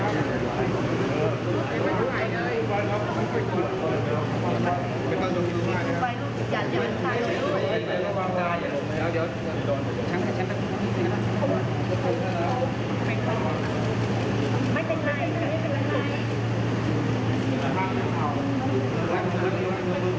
สวัสดีครับ